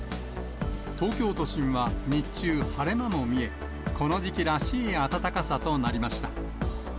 東京都心は日中、晴れ間も見え、この時期らしい暖かさとなりました。